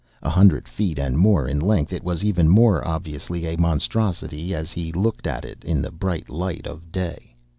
A hundred feet and more in length, it was even more obviously a monstrosity as he looked at it in the bright light of day.